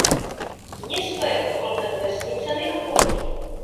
Město je obklopeno vesnicemi a poli.